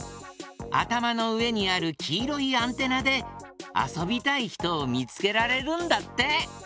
あたまのうえにあるきいろいアンテナであそびたいひとをみつけられるんだって。